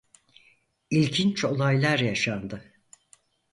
İlginç olaylar yaşandı.